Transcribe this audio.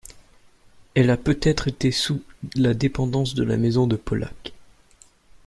Elle a peut-être été sous la dépendance de la maison de Paulhac.